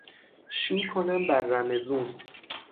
شو کنم بر رمضون